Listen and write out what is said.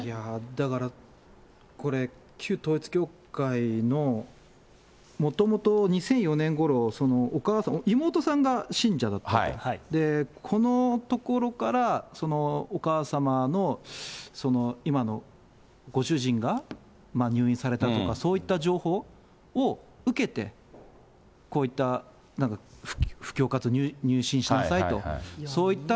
だからこれ、旧統一教会の、もともと２００４年ごろ、お母さん、妹さんが信者だったと、このところから、お母様の今のご主人が入院されたとか、そういった情報を受けて、こういった布教かつ入信しなさいと、そういった、